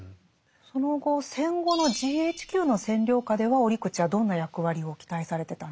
その後戦後のＧＨＱの占領下では折口はどんな役割を期待されてたんですか？